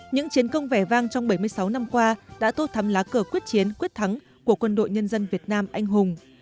những chiến công vẻ vang trong bảy mươi sáu năm qua đã tô thắm lá cờ quyết chiến quyết thắng của quân đội nhân dân việt nam anh hùng